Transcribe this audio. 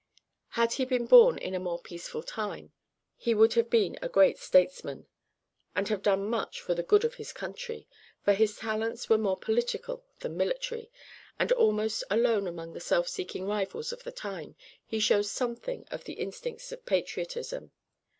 Had he been born in a more peaceful time he would have been a great statesman, and have done much for the good of his country, for his talents were more political than military, and almost alone among the self seeking rivals of the time, he shows something of the instincts of patriotism.